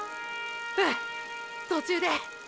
うん途中で！！